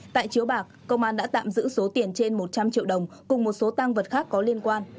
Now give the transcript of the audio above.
tại chiếu bạc công an đã tạm giữ số tiền trên một trăm linh triệu đồng cùng một số tăng vật khác có liên quan